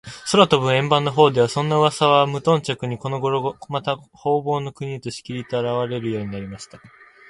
空とぶ円盤のほうでは、そんなうわさにはむとんじゃくに、このごろでは、また、ほうぼうの国へと、しきりと、あらわれるようになりました。